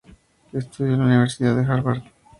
Estudió en la Universidad de Harvard.